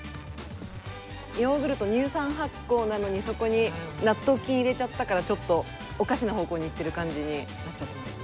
ヨーグルト乳酸発酵なのにそこに納豆菌入れちゃったからちょっとおかしな方向にいってる感じになっちゃってます。